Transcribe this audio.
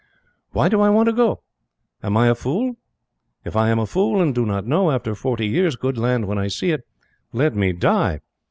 Why do I want to go? Am I fool? If I am a fool and do not know, after forty years, good land when I see it, let me die!